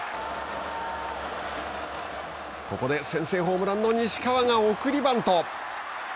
ここで先制ホームランの西川が送りバント。